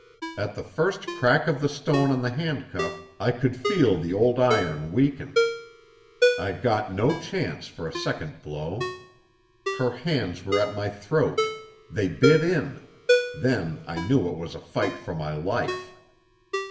At the first crack of the stone on the handcuff I could feel the old iron weaken. I got no chance for a second blow. Her hands were at my throat. They bit in. Then I knew it was a fight for my life.